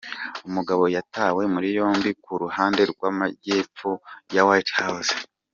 Umugabo yatawe muri yombi ku ruhande rw'amajyepfo ya White House.